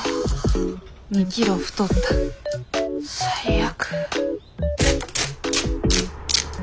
２キロ太った最悪。